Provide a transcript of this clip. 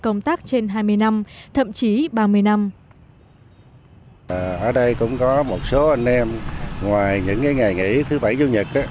ở đây cũng có một số anh em ngoài những ngày nghỉ thứ bảy dương nhật